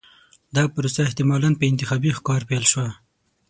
دا پروسه احتمالاً په انتخابي ښکار پیل شوه.